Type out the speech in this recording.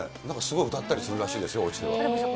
なんかすごい歌ったりするらしいですよ、おうちでは。